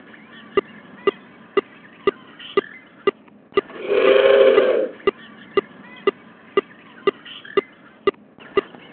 The entrance to the Basilica is on the right side of the facade.